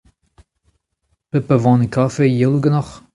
Pep a vanne kafe a yelo ganeoc'h ?